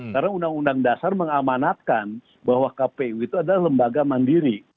karena undang undang dasar mengamanatkan bahwa kpu itu adalah lembaga mandiri